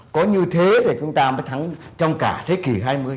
có như thế thì chúng ta mới thắng trong cả thế kỷ hai mươi